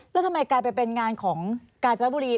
แล้วทำไมกลายเป็นงานของการเจ็บแถลง